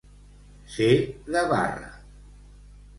Ser de barra.